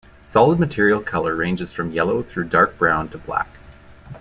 Solid material color ranges from yellow through dark-brown to black.